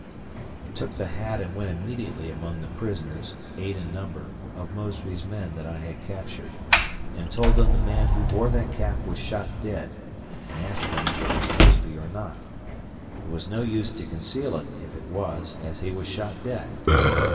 I took the hat and went immediately among the prisoners, eight in number, of Mosby's men that I had captured, and told them the man who wore that cap was shot dead, and asked him if it was Mosby or not; it was no use to conceal it it was, as he was shot dead.